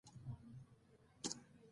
که لین وي نو برق نه پرې کیږي.